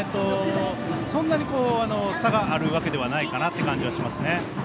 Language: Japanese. そんなに差があるわけではないかなという感じがします。